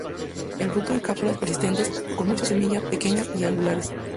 El fruto en cápsulas persistentes con muchas semilla, pequeñas y angulares.